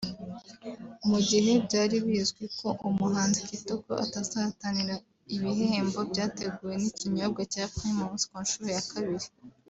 Mu gihe byari bizwi ko umuhanzi Kitoko atazahatanira ibihembo byateguwe n’ikinyobwa cya Primus ku nshuro ya kabiri